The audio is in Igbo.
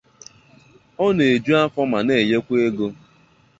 Ọ na-eju afọ ma na-enyekwa ego.